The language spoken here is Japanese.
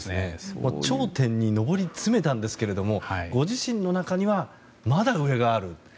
頂点に登り詰めたんですけれどもご自身の中には、まだ上がある。